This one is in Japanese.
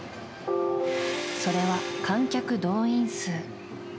それは、観客動員数。